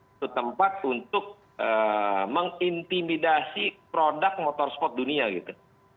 itu tempat untuk mengintimidasi produk motorsport dunia gitu